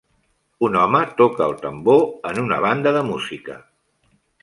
Un home toca el tambor en una banda de música.